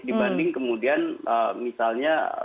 dibanding kemudian misalnya